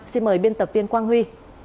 xin mời biên tập viên quang huy